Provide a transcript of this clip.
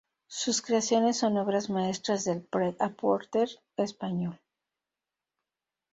Sus creaciones son obras maestras del Pret-a-Porter español.